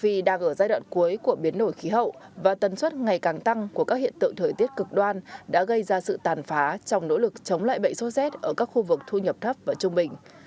vì đang ở giai đoạn cuối của biến đổi khí hậu và tần suất ngày càng tăng của các hiện tượng thời tiết cực đoan đã gây ra sự tàn phá trong nỗ lực chống lại bệnh sốt rét ở các khu vực thu nhập thấp và trung bình